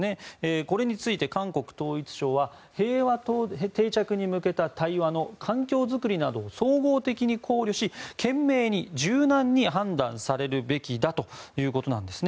これについて、韓国統一省は平和定着に向けた環境作りなどを総合的に考慮し賢明に柔軟に判断されるべきだということです。